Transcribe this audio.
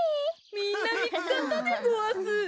みんなみつかったでごわす。